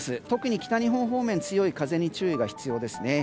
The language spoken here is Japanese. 特に北日本方面強い風に注意が必要です。